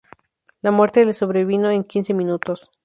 La muerte le sobrevino en quince minutos.